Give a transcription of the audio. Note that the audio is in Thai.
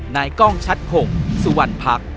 นายกล้องชัดพงศ์สุวรรณพรรค